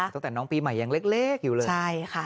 ตั้งแต่น้องปีใหม่ยังเล็กอยู่เลยใช่ค่ะ